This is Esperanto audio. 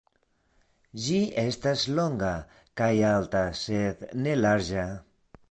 Ĝi estas longa kaj alta sed ne larĝa.